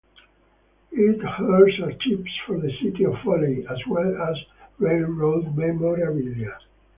It holds archives for the City of Foley as well as railroad memorabilia.